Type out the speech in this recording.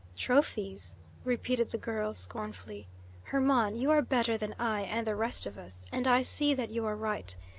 "Trophies?" repeated the girl scornfully. "Hermon, you are better than I and the rest of us, and I see that you are right.